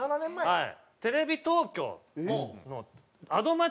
はい。